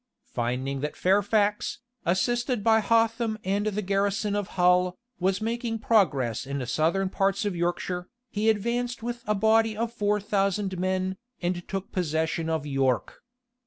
Finding that Fairfax, assisted by Hotham and the garrison of Hull, was making progress in the southern parts of Yorkshire, he advanced with a body of four thousand men, and took possession of York.